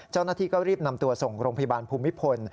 เจ้าหน้าที่ก็รีบนำตัวส่งโรงพยาบาลภูมิพล